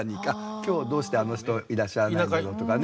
今日どうしてあの人いらっしゃらないんだろうとかね。